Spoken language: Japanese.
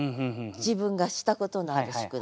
自分がしたことのある宿題。